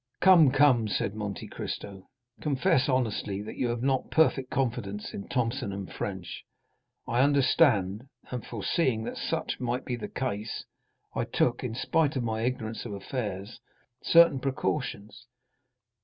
"Come, come," said Monte Cristo, "confess honestly that you have not perfect confidence in Thomson & French. I understand, and foreseeing that such might be the case, I took, in spite of my ignorance of affairs, certain precautions.